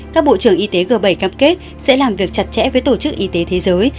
các bộ trưởng y tế g bảy cam kết sẽ làm việc chặt chẽ với tổ chức y tế thế giới